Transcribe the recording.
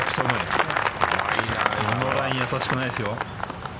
あのライン易しくないですよ。